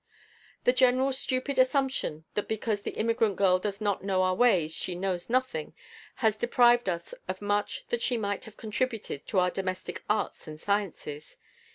The general stupid assumption that because the immigrant girl does not know our ways she knows nothing, has deprived us of much that she might have contributed to our domestic arts and sciences.